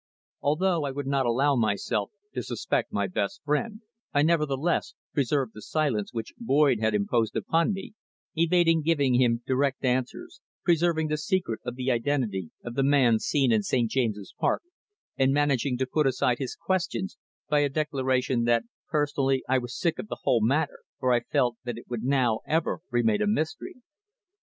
Although I would not allow myself to suspect my best friend, I nevertheless preserved the silence which Boyd had imposed upon me, evading giving him direct answers, preserving the secret of the identity of the man seen in St. James's Park, and managing to put aside his questions by a declaration that personally I was sick of the whole matter, for I felt that it would now ever remain a mystery.